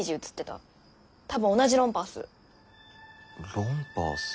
ロンパース。